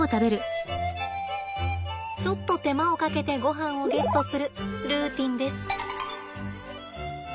ちょっと手間をかけてごはんをゲットするルーティンです。